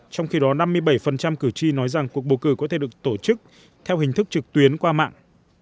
trong khi đó năm mươi bảy cử tri nói rằng cuộc bầu cử có thể được tổ chức theo hình thức trực tuyến qua mạng